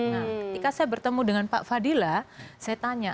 nah ketika saya bertemu dengan pak fadila saya tanya